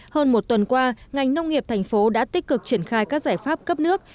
hơn một tuần qua ngành nông nghiệp thành phố đã tích cực triển khai các giải pháp cấp nước